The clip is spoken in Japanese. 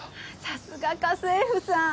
さすが家政婦さん！